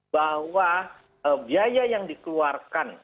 bahwa biaya yang dikeluarkan